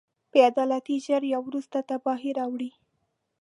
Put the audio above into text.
بې عدالتي ژر یا وروسته تباهي راولي.